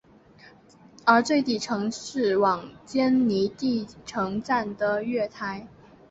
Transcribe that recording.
而最底层是往坚尼地城站的月台。